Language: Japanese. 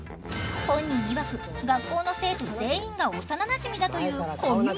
本人いわく学校の生徒全員が幼なじみだというコミュモンスター。